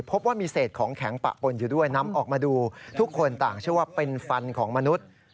พบว่ามีเศษของแข็งปะปนอยู่ด้วยนำออกมาดูทุกคนต่างเชื่อว่าเป็นฟันของมนุษย์